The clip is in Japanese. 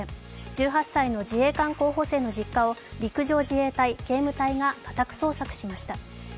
１８歳の自衛官候補生の実家を陸上自衛隊警務隊が家宅捜索しました。